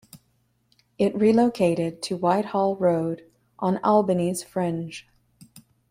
It relocated to Whitehall Road on Albany's fringe.